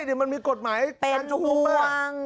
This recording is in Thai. เดี๋ยวมันมีกฎหมายการทุ่มป่ะเป็นห่วง